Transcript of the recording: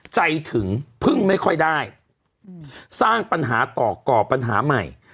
ใจถึงพึ่งไม่ค่อยได้สร้างปัญหาต่อก่อปัญหาใหม่